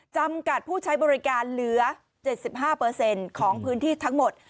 จำกัดผู้ใช้บริการเหลือ๗๕ของพื้นที่ทั้งหมด